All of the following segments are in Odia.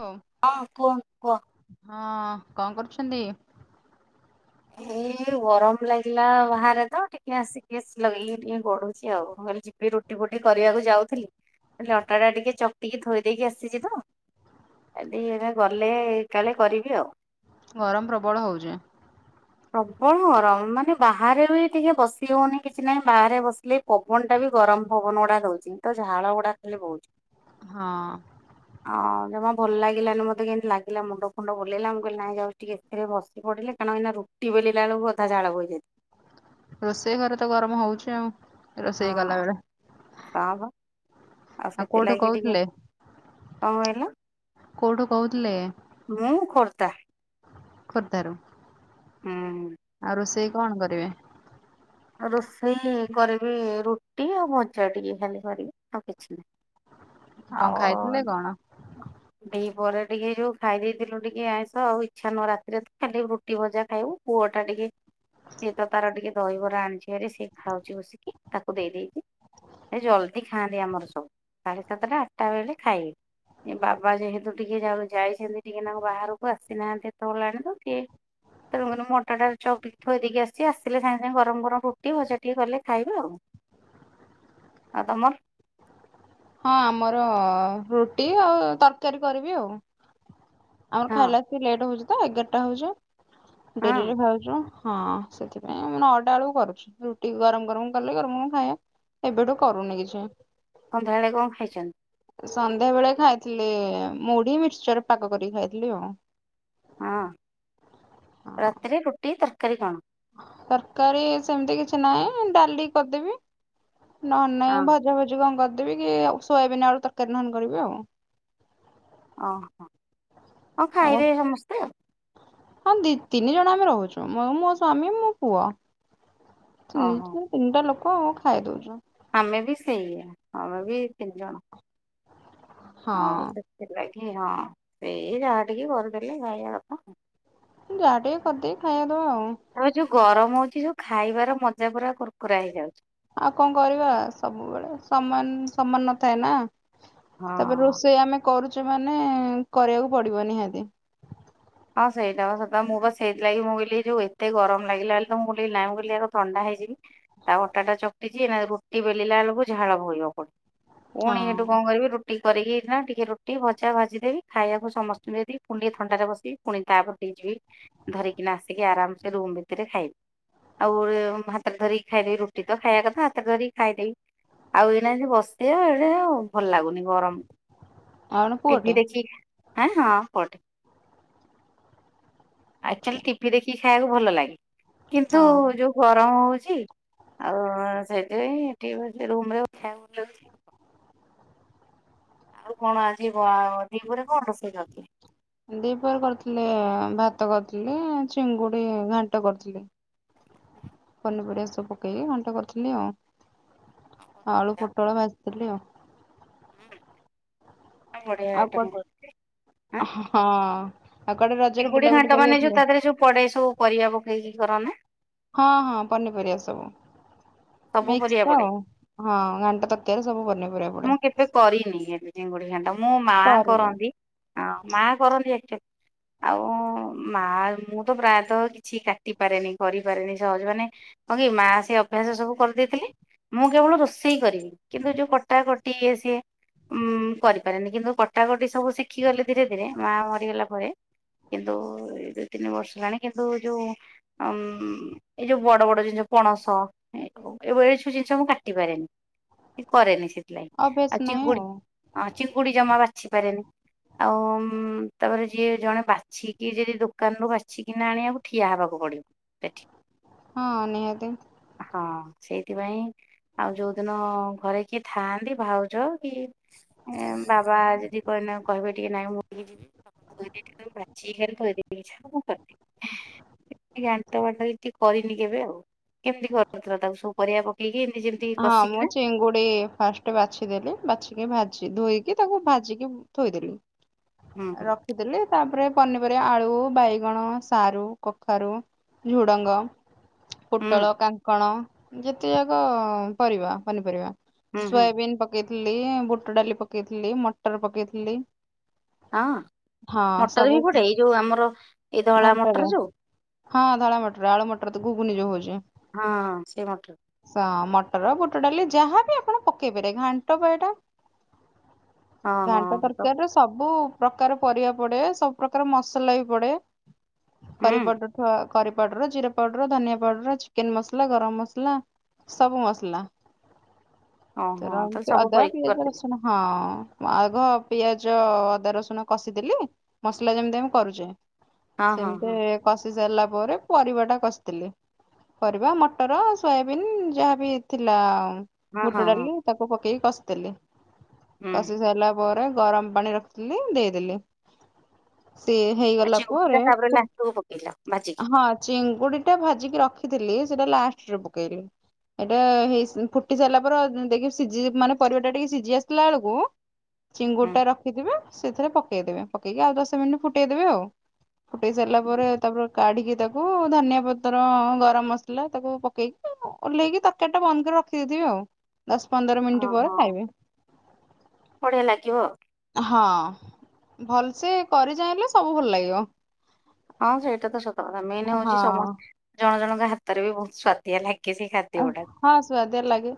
ହଁ। ହଁ କୁହ କୁହ। ହଁ କଣ କରୁଛନ୍ତି? ଏ ଗରମ ଲାଗିଲା ବାହାରେ ତ ଟିକେ ଆସି ଏସି ଲଗେଇ ଇଏ ଟିକେ ଗଡୁଛି ଆଉ ମୁଁ କହିଲି ଯିବି ରୁଟି ଫୁଟି କରିବାକୁ ଯାଉଥିଲି। ହେଲେ ଅଟା ଟା ଟିକେ ଚକଟିକି ଥୋଇ ଦେଇକି ଆସିଛି ତ କାଲିି ଏରା ଗଲେ କାଳେ କରିବି ଆଉ ଗରମ ପ୍ରବଳ ହଉଛି। ପ୍ରବଳ ଗରମ ମାନେ ବାହାରେ ବି ଟିକେ ବସି ହଉନି କିଛି ନାହିଁ ବାହାରେ ବସିଲେ ପବନ ଟା ବି ଗରମ ପବନ ଗୁଡା ଦଉଛି ତ ଝାଳ ଗୁଡା ଖାଲି ବହୁଛି। ହଁ। ହଉ ଜମା ଭଲ ଲାଗିଲାନି ମତେ କେମିତି ଲାଗିଲା ମୁଣ୍ଡ ଫୁଣ୍ଡ ବୁଲେଇଲା ମୁଁ କହିଲି ନାଇଁ ଯାଉଛି ଟିକେ ଏସିରେ ବସି ପିଡିଲେ କାରଣ ଏଇନା ରୁଟି ବେଲୀଳା ବେଳକୁ ଅଧା ଝାଳ ବହିଁ ଯାଇଛି। ରୋଷେଇ ଘରେ ତ ଗରମ ହଉଛି ଆଉ ହଁ ରୋଷେଇ କଲା ବେଳେ ହଁ ବା ଆଉ କୋଉଠୁ ସେଥିଲାଗି ଟିକେ କହୁଥିଲେ କଣ କହିଲ? କୋଉଠୁ କହୁଥିଲେ ମୁଁ ଖୋର୍ଦ୍ଧା ଖୋଦାରୁ ହୁଁ। ଆଉ ରୋଷେଇ କଣ କରିବେ? ରୋଷେଇ କରିବି ରୁଟି ଆଉ ଭଜା ଟିକେ ଖାଲି କରିବି ଆଉ କିଛି ନାହିଁ। ଆଉ କଣ ଖାଇଥିଲେ କଣ? ଦି ପହରେ ଟିକେ ଯୋଉ ଖାଇ ଦେଇେଥିଲୁ ଟିକେ ଆଇଁଷ ଆଉ ଇଚ୍ଛା ନୁହ ରାତିରେ ଖାଲି ରୁଟି ଭଜା ଖାଇବୁ। ପୁଅ ଟା ଟିକେ ସିଏତ ତାର ଟିକେ ଦହିବରା ଆଣିଚି ହେରି ସିଏ ଖାଉଛି ବସିକି ତାକୁ ଦେଇଦେଇଛି ସେ ଜଲଦି ଖାଆନ୍ତି ଆମର ସବୁ ସାଢେ ସାତଟା ଆଠଟା ବେଳେ ଖାଇବେ। ଏ ବାବା ଯେହେତୁ ଟିକେ ଯାଉ ଯାଇଛନ୍ତି ଟିକେ ନାଙ୍କୁ ବାହାରକୁ ଆସିନାହାନ୍ତି ଏତ ହେଲାଣି ତ ଟିକେ ତେଣୁ ମୁଁ ଅଟାଟା ଚକଟିକି ଥୋଇ ଦେଇକି ଆସିଛି ଆସିଲେ ସାଙ୍ଗେ ସାଙ୍ଗେ ଗରମ କରି ଆଣ ରୁଟି ଭଜା ଟିକେ କଲେ ଖାଇବେ ଆଉ ଆଉ ତମର? ହଁ ଆମର ରୁଟି ଆଉ ତରକାରୀ କରିବି ଆଉ ଆମର ହଁ ଖାଇଲା ଆସି ଲେଟ୍ ହୋଉଚି ତ ଏଗାରଟା ହଉଚୁ ହଁ ଡେରିରେ ଖାଉଚୁ। ହଁ ସେଥିପାଇଁ ଆମେ ନ ଅଟା ବେଳକୁ କରୁଛୁ ରୁଟି ଗରମ୍ ଗରମ୍ କଲେ ଗରମ ଗରମ ଖାଇବା। ଏବେଠୁ କରୁନି କିଛି। ସନ୍ଧ୍ୟା ବଳେ କଣ ଖାଇଛନ୍ତି? ସନ୍ଧ୍ୟା ବେଳେ ଖାଇଥିଲି ମୁଢି ମିର୍ଚର ପଗ କରିକି ଖାଇଥିଲି ଆଉ। ହଁ ହଁ ରାତିରେ ରୁଟି ତରକାରୀ କଣ? ତରକାରୀ ସେମିତି କିଛି ନାହିଁ ଡାଲି କରିଦେବି ନହନେ ହଁ ନାଇଁ ଭ ଭଜା ଭୁଜି କଣ କରିଦେବି କି ଆଉ ସୋୟବିନ୍ ଆଳୁ ତର୍କାରୀ ନହନେ କରିବି ଆଉ। ଓହୋ ହୋଉ ଆଉ ଖାଇବେ ସମସ୍ତେ ଆଉ। ହଁ ଦି ତିନି ଜଣ ଆମେ ରହୁଚୁ ମୁ ମୋ ସ୍ୱାମୀ ମୋ ପୁଅ। ଓହୋ। ତିନିଟା ତିନିଟା ଲୋକ ଆଉ ଖାଇ ଦୋଉଚୁ। ଆମେ ବି ସେଇଆ ଆମେ ବି ତିନି ଜଣ। ହଁ। ହେଲା କିି ହଁ ସେଇ ଯାହା ଟିକେ କରିଦେଲେ ଖାଇବା କଥା। ଯାହା ଟିକେ କରିଦେଇ ଖାଇବା ଦବା ଆଉ। ତା ଯୋଉ ଗରମ ହୋଉଛି ଯୋଉ ଖାଇବାର ମଜା ପୁରା କୁୁର୍ କୁରା ହେଇଯାଉ ଆଉ କଁ କରିବା ସବୁବେଳେ ସମାନ୍ ସମାନ୍ ନଥାଏ ନା। ତାପରେ ହଁ। ରୋଷେଇ ଆମେ କରୁଚୁ ମାନେ କରିବାକୁ ପଡିବ ନିହାତି। ହଁ ସେଇଟା ବା ସତ ମୁଁ ବା ସେଇଥିଲାଗି ମୁଁ କହିଲି ଯୋଉତ ଗମ ଲାଗିଲା ବୋଲି ମୁ କହିଲି ନାଇ ମୁଁ ଆଗ ଥଣ୍ଡା ହେଇିଯିବି। ତା ଅଟାଟା ଚକ୍ଟିଚି ନା ରୁଟି ବେଲିଲା ବେଳକୁ ଝାଳ ବୋହିବା ପୁଣି, ପୁଣି ହେଠୁ ହଁ। କଣ କରିବି ରୁ ଟିକେ କରିକି ନା ଟିକେ ରୁଟି ଭଜା ଭାଜି ଦେବି ଖାଇବାକୁ ସମସ୍ତଙ୍କୁ ଦେଇ ଦେବି ପୁଣି ଟିକେ ଥଣ୍ଡାରେ ବସିବି। ପୁଣି ତା ପଟିକି ଯିବି ଧରିକିନା ଆସିକି ଆରାମ୍ ସେ ରୁମ୍ ଭିତେରେ ଖାଇବି। ଆଉ ଭାତରେ ଧରି ଖାଇ ଦେବି ରୁଟି ତ ଖାଇବା କଥା ହାତ ଧରି ଖାଇଦେବି। ଆଉ ଏଇନା ଏଇ ବସିଥିବା ଏଣେ ଆଉ ଭଲ ଲାଗୁନି ଗରମ୍ ଆଉ ପୁଅଟେ ଟିଭିି ଦେଖିଁ ଆଁ ହଁ ପୁଅଟେ। ଆଚୁଆଲି ଟିଭିି ଦେଖିକି ଖାଇବାକୁ ଭଲ ଲାଗେ କିନ୍ତୁ ହଁ ଯୋଉ ଗରମ ହୋଉଛି ଆଉ ସେଇଥିପାଇଁ ଟିକେ ରୁମରେ ଖାଇବାକୁ ଭଲ ଲାଗୁଚି। ଆଉ କଣ ଆଜି ଦିପହରେ କଣ ରୋଷେଇ କରିଥିଲେ? ଦିପହରେ କରିଥିଲେ ଭାତ କରିଥିଲି ଚିଙ୍ଗୁଡି ଘାଣ୍ଟ କରିଥିଲି। ପନି ପରିବା ସବୁ ପକେଇକି ଘାଣ୍ଟ କରିଥିଲି ଆଉ, ଆଳୁ ପୋଟଳ ଭାଜିଥିଲି ଆଉ। ବଢିଆ ଆଇଟମ୍ କରିଥିଲେ। ଅ ହ ହ ହଁ। ଆଉ କୁଆଡେ ରଜରେ ଚିଙ୍ଗୁଡି ବୁଲାବୁଲି ଘାଁଟ କରି ମାନେ ଯୋଉ ଯାଇଥିଲେ? ତା ଦେହେରେ ଯୋ ପଡେ ସବୁ ପରିବା ପକେଇକି କରନା? ହଁ ହଁ ପନିପରିବା ସବୁ ସବୁ ମିକ୍ସ୍ ପରିବା ତ ପଡେ ଆଉ। ହଁ ଘାଣ୍ଟ ତର୍କିଆରେ ସବୁପନିପରିବା ମୁଁ କେବେ କରିନି ଏବେ ଚିଙ୍ଗୁଡି ଘଣ୍ଟ ମୋଁମା ପରିବା କରନ୍ତି ଆ ମା କରନ୍ତି ଆ ଆଉ ମା ମୁଁ ତ ପ୍ରାୟତଃ କିଛି କାଟି ପାରେନି କରିପାରେନି ସହଜେ ମାନେ ହଁ କି ମା ସେ ଅଭ୍ୟାସ ସବୁ କରିଦେଇଥିଲେ ମୁଁ କେବଳ ରୋଷେଇ କରିବି କିନ୍ତୁ ଯୋଉ ପ ଟା ଗୋଟିଏ ସିଏ ଉଁ କରିପାରେନି କିନ୍ତୁ କଟାକଟି ସବୁ ଶିଖିଗଲି ଧୀରେ ଧୀରେ ମା ମରିଗଲା ପରେ। କିନ୍ତୁ ଏ ଦୁ ତିନି ବର୍ଷ ହେଲାଣି କିନ୍ତୁ ଯୋଉ ଉ ଏଇ ଯୋଉ ବଡ ବଡ ଜିନ୍ଷ ପଣସ ଏ ଏ ସବୁ ଜିନିଷ ମୁଁ କାଟି ପାରେନି। କରେନି ସେଥିଲାଗି ଅଭ୍ୟାସ ଆଉ ନାହିଁ ଚିଙ୍ଗୁଡି ଚିଙ୍ଗୁଡି ଜମା ବାଛି ପାରେନି। ଆଉ ତାପରେ ଯିଏ ଜଣେ ବାଛିକି ଯଦି ଦୋକାନରୁ ବାଛିକିନା ଆଣିବା ଠିଆ ହେବାକୁ ପଡ଼ିବ। ହଁ ନିହାତି। ହଁ ସେଇଥିପାଇଁ ଆଉ ଯୋଉଦିନ ଘରେ କିଏ ଥାଆନ୍ତି ଭାଉଜ କି ବାବା ଯଦି କଇନା କହିବେ ଟିକେ ନାଇଁ ମୁଁ ଟିକେ ଯି [unintelligible] ଗାଣ୍ଟ ଫାଣ୍ଟ ଏଠି କରିନି କେବେ ଆଉ କେମିତି କରଥିଲ ତାକୁ ସବୁ ପରିବା ପକେଇକି ଏମିତି ଯେ ହଁ ମୁଁ ଚିଙ୍ଗୁଡି ଫାଷ୍ଟ୍ ଗୋଟେ ବାଛିଦେଲି ବାଛିକି ଭାଜି ଧୋଇକି ତାକୁ ଭାଜିକି ଥୋଇଦେଲି ହୁଁ ହୁଁ ରଖିଦେଲି ତାପରେ ପନିପରିବା ଆଳୁ ବାଇଗଣ ସାରୁ କଖାରୁ ଝୁଡଙ୍ଗ ହୁଁ ପୋଟଳ କାଙ୍କଣ ଯେତେ ଯାକ ପରିବା ପନିପରିବା ହୁଁ ହୁଁ ସୋୟାବିନ୍ ପକେଇଥିଲି ବୁଟ ଡାଲି ପକେଇଥିଲି ମଟର ପକେଇଥିଲି ହଁ ହଁ ମଟର ସବୁ ବି ପଡ଼େ ଏଇ ଯୋଉଁ ଆମର ଏଇ ଧଳା ଘାଣ୍ଟରେ ମଟର ଯଉଁ? ହଁ ଧଳା ମଟର ଆଳୁ ମଟର ତ ଘୁଗୁନି ଯୋଉଁ ହୋଉଚି ହଁ ହଁ ସେଇ ମଟର। ସଁ ମଟର ବୁଟ ଡାଲି ଯାହାବି ଆପଣ ପକେଇ ପାରିବେ ଘାଣ୍ଟ ପା ଏଟା। ହଁ ଘାଣ୍ଟ ହଁ ତ ତରକାରୀ ସ ସବୁ ପ୍ରକାର ପରିବା ପଡ଼େ ସବୁ ପ୍ରକାର ମସଲା ବି ପଡ଼େ ହୁଁ କରିପାଉ କରି ପାଉଡ଼ର ଜିରା ପାଉଡ଼ର ଧନିଆ ପାଉଡ଼ର ଚିକେନ ମସଲା ଗରମ ମସଲା ସବୁ ମସଲା ତ ଓହୋ ସବୁ ଅଦା ପରୀକ୍ଷା ପିଆଜ କରିଦେଲେ ରସୁଣ ହଁ ଆଗ ପିଆଜ ଅଦା ରସୁଣ କଷିଦେଲି ମସଲା ଯେମିତି ଆମେ କରୁଚେ ହଁ ହଁ ସେମିତି ହଁ କଷି ସାରିଲା ପରେ ପରିବା ଟା କଷିଥିଲି। ପରିବା ମଟର ସୋୟାବିନ୍ ଯାହାବି ଥିଲା ହଁ ବୁଟ ହଁ ହଁ ଡ଼ାଲି ତାକୁ ପକେଇକି କଷିଦେଲି ହୁଁ କଷି ସାଇଲା ପରେ ଗରମ ପାଣି ରଖିଥିଲି ଦେଇଦେଲି ସିଏ ହେଇଗଲା ଚିଙ୍ଗୁଡି ଟା ପରେ ତାପରେ ଲାଷ୍ଟକୁ ପକେଇଲ ଭାଜିକି ହଁ ଚିଙ୍ଗୁଡି ଟା ଭାଜିକି ରଖିଥିଲି ସେଟା ଲାଷ୍ଟରେ ପକେଇଲି। [unintelligible] ହେଇ ଫୁଟି ସାରିଲା ପରେ ଦେଇକି ସିଜି ମାନେ ପରିବା ଟା ଟିକେ ସିଜି ଆସିଲା ବେଳକୁ ଚିଙ୍ଗୁଡ଼ି ହୁଁ ଟା ରଖିଥିବେ ସେଥିରେ ପକେଇଦେବେ ପକେଇକି ଆଉ ଦଶ ମିନ୍ ଫୁଟେଇଦେବେ ଆଉ। ଫୁଠେଇ ସାରିଲା ହୁଁ। ପରେ ତାପରେ କାଢ଼ିକି ତାକୁ ଧନିଆ ପତର, ଗରମ ମସଲା ତାକୁ ପକେଇକି ଓହ୍ଲେଇକି ତାକୁ ତରକାରୀ ଟା ବନ୍ଦ କରି ରଖିଦେଇଥିବେ ଆଉ ଦଶ ପନ୍ଦର ମିନଟ୍ ପରେ ଖାଇବେ। ବଢି଼ଆ ଲାଗିବ। ହଁ ଭଲସେ କରି ଯାଇଁଲେ ସବୁ ଭଲ ଲାଗିବ। ହଁ ସେଇଟା ତ ସତ କଥା ମେନ୍ ହଁ ହୋଉଚି ସମସ୍ତ ଜଣ ଜଣଙ୍କ ହାତରେ ବି ବହୁତ ସ୍ଵାଆଦିଆ ଲାଗେ। ସେଇ ଖାଦ୍ୟ ଆ ଗୁଡାକ ହଁ ସୁଆଦିଆ ଲାଗେ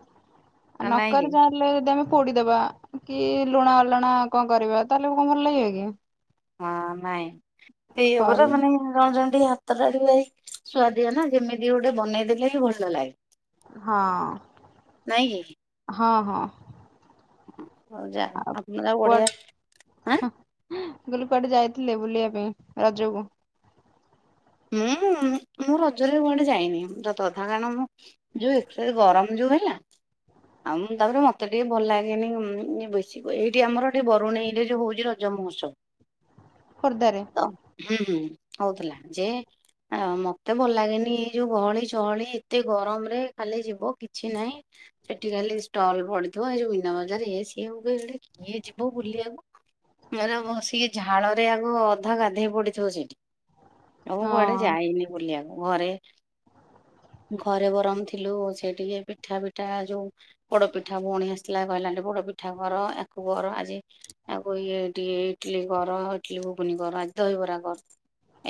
ଆ ନାଇଁ କି ନକରି ଯାଇଁ ଯଦି ଆମେ ପୋଡ଼ିଦେବା କି ଲୁଣା ଅଲଣା ଙ୍କ କରିବା ତାହେଲେ ଙ୍କ ଭଲ ଲାଗିବ କି? ହଁ ନାଇଁ ସେଇଆ ପରା କରି ମାନେ ଜଣ ଯଦି ହା ତଟା ଟିକେ ସୁଆଦିଆ ନା ଯେମିତି ଗୋଟେ ବନେଇ ଦେଲେ ବି ଭଲ ଲାଗେ। ହଁ ନାଇଁ ହଁ ହଁ। ହୋଉ ଯାଅ [unintelligible] ବଢ଼ିଆ ହଁ ମୁଁ କହିଲି କୁଆଡ଼େ ଯାଇଥିଲେ ବୁଲିବା ପାଇଁ ରଜକୁ? ମୁଁ [inaudible] ମୁଁ ରଜରେ କୁଆଡ଼େ ଯାଇନି ସତ କଥା କାରଣ ମୁଁ ଯୋଉଁ ଏକ୍ସେସ ଗରମ ଯୋଉଁ ହେଲା ଆଉ ମୁଁ ତାପରେ ମତେ ଟିକେ ଭଲ ଲାଗେନି ବେଶୀ ଏଇଠି ଆମର ଟିକେ ବରୁଣେଇ ରେ ଯୋଉଁ ହୋଇଚି ରଜ ରଜ ମହୋତ୍ସବ ଖୋର୍ଦ୍ଧା ରେ? ହୁଁ ହୁଁ ହୁଁ ହଉଥିଲା ଯେ ଆ ମତେ ଭଲ ଲାଗେନି ଏଇ ଯୋଉଁ ଗହଳି ଚହଳି ଏତେ ଗରମ ରେ ଖାଲି ଯିବ କିଛି ନାହିଁ। ସେଠି ଖାଲି ଷ୍ଟଲ ପଡିଥିବ ଏଇ ମିନା ବଜାର ଇଏ ସିଏ ମୁଁ କହିଲି କିଏ ଯିବ ବୁଲିଆକୁ। ମେଳା ରେ ବସିକି ଝାଳ ରେ ଆଗ ଅଧା ଗାଧେଇ ପଡ଼ିଥିବ ସେଇଠି। ଆଉ ମୁଁ କୁଆଡ଼େ ହଁ ଯାଇନି ବୁଲିଆକୁ ଘରେ ଘରେ ବରମ ଥିଲୁ ସେ ଟିକେ ପିଠା ପିଠା ଯୋଉଁ ପୋଡ଼ ପିଠା ଭୋଉଣୀ ଆସଥିଲା କହିଲା ଟିକେ ପୋଡ଼ ପିଠା କର ଆକୁ ଘର ଆଜି ଆଉ କ ଇଏ ଟିକେ ଇଟିଲି କର ଇଟିଲି ଘୁଗୁନି କର ଆଜି ଦହିବରା କର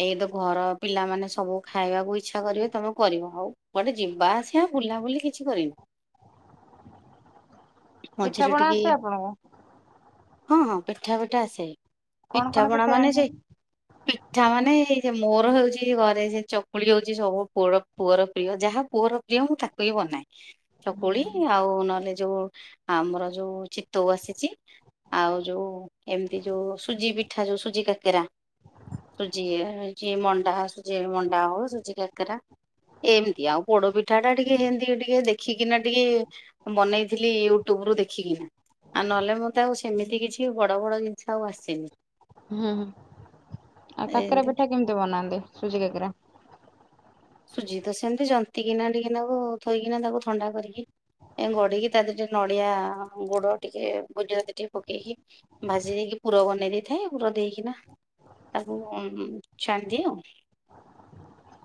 ଏଇ ତ ଘର ପିଲାମାନେ ସବୁ ଖାଇଆକୁ ଇଚ୍ଛା କରିବେ ତମେ କରିବ ଆଉ କୁଆଡ଼େ ଯିବା ଆସିବା ବୁଲାବୁଲି କିଛି କିଛି କରିନି। [inaudible] ମଝିରେ ପିଠାପଣା ଟିକେ ଏଇଆ ଆସେ ଆପଣଙ୍କୁ ହଁ ହଁ ପିଠା ପିଠା ଆସେ। କଣ ପିଠା କଣ ପଣା ମାନେ ସେଇ ଜାଣିଛନ୍ତି? ପିଠା ମାନେ ଏଇ ଯେ ମୋର ହେଉଚି ଘରେ ସେ ଚକୁଳି ହୋଉଚି ସବୁ ପୋଡ ପୁଅର ପ୍ରିୟ ଯାହା ପୁଅର ପ୍ରିୟ ମୁଁ ତାକୁ ହିଁ ବନାଏ। ଚକୁଳି ହୁଁ ଆଉ ନହେଲେ ଯୋଉ ଆମର ଯୋଉ ଚିତୋଉ ଆସିଚି। ଆଉ ଯୋଉ ଏମତି ଯୋଉ ସୁଜି ପିଠା ଯୋଉ ସୁଜି କାକେରା ସୁଜି ଇଏ। ହେଉଚି ମଣ୍ଡା, ସୁଜି ରେ ମଣ୍ଡା ହଉ ସୁଜି କାକେରା। ଏମତି ଆଉ ପୋଡପିଠା ଟା ଟିକେ ହେନ୍ତି ଟିକେ ଦେଖିକିନା ଟିକେ ବନେଇଥିଲି ୟୁଟ୍ୟୁବ ରୁ ଦେଖିକିନା। ଆଉ ନହେଲେ ମତେ ଆଉ ସେମିତି କିଛି ବଡ ବଡ ଜିନିଷ ଆଉ ଆସେନି। ହୁଁ ହୁଁ ଆଉ କାକେରା ଏମତି ପିଠା କେମତି ବନାନ୍ତି ସୁଜି କାକେରା? ସୁଜି ତ ସେମତି ଜନ୍ତି କିିନା ଟିକେ ନାଗୁ ଥୋଇକିନା ତାକୁ ଥଣ୍ଡା କରିକି। ଏ ଗଢିକି ତା ଦିହେରେ ଟିକେ ନଡିଆ ଗୁଡ଼ ଟିକେ ଗୁଜୁରାତି ଟିକେ ପକେଇକି। ଭାଜି ଦେଇକି ପୁର ବନେଇ ଦେଇଥାଏ ପୁର ଦେଇକିନା ତାକୁ ଛାଣଦିଏ ଆଉ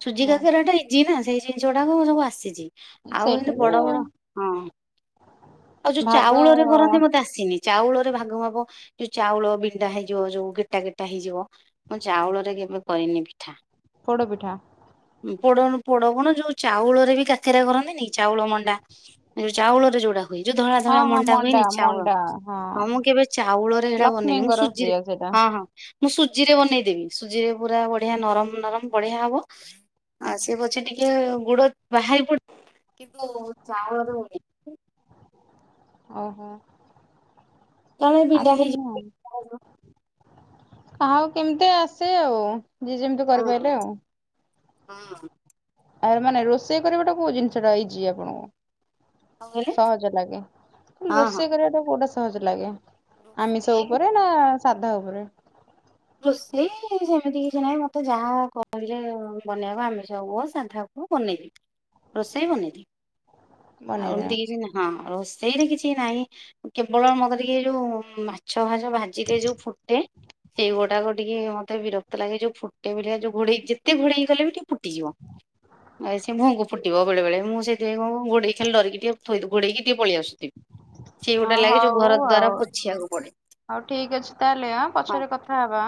ସୁଜି କା ହଁ କେରା ଟା ଇଜି ନା ସେଇ ଜିନିଷ ଗୁଡାକ ସବୁ ଆସିଚି ଆଉ ସେଇଟା ଏମତି ବି ବଡ ବଡ ହଁ। ଆଉ ଯୋଉ ଭାଗ ଚାଉଳରେ କରନ୍ତି ମତେ ଆସିନି। ଚାଉଳରେ ଭାଗ ମାପ ଯୋଉ ଚାଉଳ ବିଣ୍ଡା ହେଇଯିବ ଯୋଉ ଗେଟା ଗେଟା ହେଇଯିବ। ମୁଁ ଚାଉଳରେ କେବେ କରିନି ପିଠା। ପୋଡପିଠା। ଉଁ ପୋଡ ପୋଡ କଣ ଯୋଉ ଚାଉଳରେ ବି କାକେରା କରନ୍ତିନି ଚାଉଳ ମଣ୍ଡା। ଯୋଉଳରେ ଯୋଉଟା। ହୁଏ ଯୋଉ ଧଳା ହଁ ଧଳା ହଁ ମଣ୍ଡା ହୁଏନି ଚାଉଳ ମଣ୍ଡା ହଁ ମୁଁ କେବେ ଚାଉଳରେ ସେଟା ବନେଇନି ମୁଁ ଲକ୍ଷ୍ମୀଙ୍କର ସୁଜିରେ ପ୍ରିୟ ସେଇଟା ହଁ ହଁ ମୁଁ ସୁଜିରେ ବନେଇଦେବି ସୁଜିରେ ପୁରା ବଢିଆ ନରମ ନରମ ବଢିଆ ହବ। ଆଉ ସେ ପଛେ ଟିକେ ଗୁଡ ବାହାରି ପଡୁ କିନ୍ତୁ ଚାଉଳର ଓହୋ କାଳେ ବିଣ୍ଡା ହେଇଯିବ ହଁ [unintelligible] ଆଉ କେମିତି ଆସେ ଆଉ। ଯିଏ ଯେମିତି ହୁଁ କରିପାରିଲେ ଆଉ। ହୁଁ। ଆ ମାନେ ରୋଷେଇ କରିବାଟା କୋଉ ଜିନିଷ ଟା ଇଜି କହିଲେ ଆପଣଙ୍କୁ। ସହଜ ଲାଗେ ହଁ ହଁ ରୋଷେଇ କରିବାଟା କୋଉଟା ସହଜ ଲାଗେ? ଆମିଷ ରୋଷେଇ ଉପରେ ନା ସାଧା ଉପରେ। ରୋସେଇ ସେମିତି କିଛି ନାହିଁ ମତେ ଯାହା କହିଲେ ବନେଇବାକୁ ଆମିଷ ହୁଅ ସାଧା ମୁଁ ବନେଇବି ରୋଷେଇ ବନେଇଦିଏ ବନେଇଦେବେ? ଆତି କିଛି ନା। ହଁ ରୋଷେଇରେ କିଛି ନାହିଁ କେବଳ ମତେ ଟିକ ଯୋଉ ମାଛ ଭା ଭାଜିଲେ ଯୋଉ ଫୁଟେ। ସେଇ ଗୋଡାକ ଟିକେ ମତେ ବିରକ୍ତ ଲାଗେ ଯୋଉ ଫୁଟେ ଭଳିଆ ଯୋଉ ଘୋଡେଇକି ଯେତେ ଘୋଡେଇକି କଲେ ବି ଟିକେ ଫୁଟିଯିବ। ଆ ସେ ମୁହଁ କୁ ଫୁଟିବ ବେଳେ ମୁଁ ସେଥିାଇଁ କଣ ଗୋଡେଇକି ଖାଲି ଡିରିକି ଟିକେ ଥୋଇ ଗୋଡେଇ କି ଟିକେ ପଳେଇ ଆସୁଥି। ସେ ଏ ଅ ଗୋଟେ ଲାଗେ ଯୋଉ ହଉ ଘର ଆଉ ଦ୍ଵାରା ପୋଛିବାକୁ ପଡେ। ହଉ ଠିକ ଅଛି ତାହେଲେ ଆଁ ହଁ ପଛରେ କଥା ହବା।